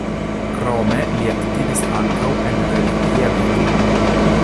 Krome li aktivis ankaŭ en religia vivo.